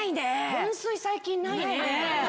噴水、最近ないね。